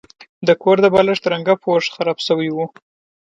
د کور د بالښت رنګه پوښ خراب شوی و.